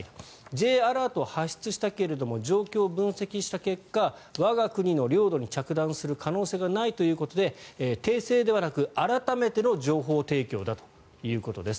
Ｊアラートを発出したけれども情報を分析した結果我が国の領土に着弾する可能性がないということで訂正ではなく、改めての情報提供だということです。